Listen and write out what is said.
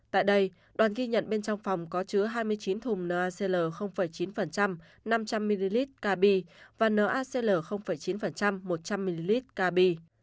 tại đây đoàn ghi nhận bên trong phòng có chứa hai mươi chín thùng nacl chín năm trăm linh ml cabin và nacl chín một trăm linh ml cabi